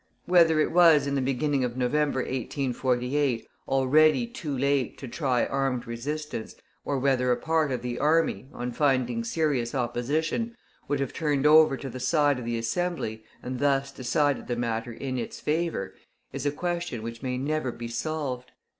Whether it was in the beginning of November, 1848, already too late to try armed resistance, or whether a part of the army, on finding serious opposition, would have turned over to the side of the Assembly, and thus decided the matter in its favor, is a question which may never be solved.